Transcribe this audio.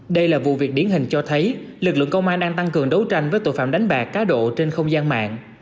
đây là vụ việc điển hình cho thấy lực lượng công an đang tăng cường đấu tranh với tội phạm đánh bạc cá độ trên không gian mạng